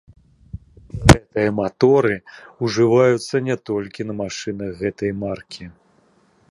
Гэтыя маторы ўжываюцца не толькі на машынах гэтай маркі.